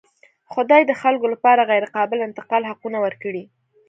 خدای د خلکو لپاره غیرقابل انتقال حقونه ورکړي.